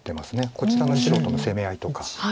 こちらの白との攻め合いとか。